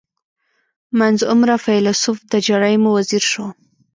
• منځ عمره فېلېسوف د جرایمو وزیر شو.